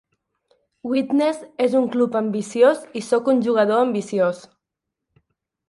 Widnes és un club ambiciós i sóc un jugador ambiciós.